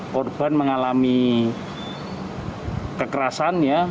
korban mengalami kekerasan ya